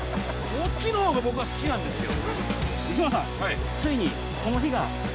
こっちのほうが僕は好きなんですよ。